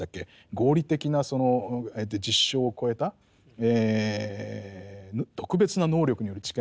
合理的な実証を超えた特別な能力による知見とかいうですね